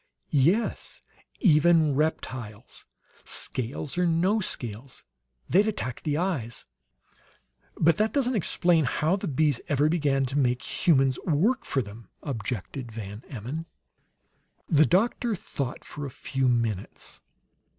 "Yes; even reptiles, scales or no scales. They'd attack the eyes." "But that doesn't explain how the bees ever began to make humans work for them," objected Van Emmon. The doctor thought for a few minutes.